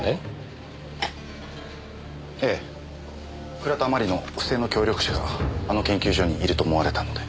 倉田真理の不正の協力者があの研究所にいると思われたので。